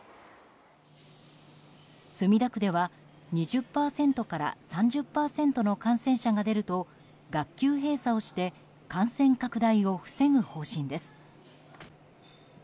墨田区では２０％から３０％の感染者が出ると学級閉鎖をして感染拡大を防ぐ方針です。